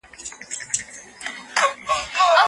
پوهیدل د کلتور او اخلاقو د تعامل په اړه اړین دی.